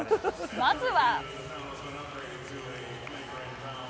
まずは。